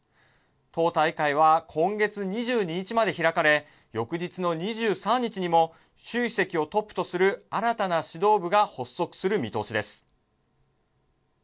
党大会は今月２２日まで開かれ翌日の２３日にも習主席をトップとする新たな指導部が発足する見通しです。